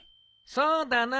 そうだな。